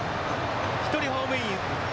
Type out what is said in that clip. １人ホームイン。